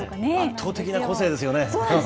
圧倒的な個性ですよね、本当に。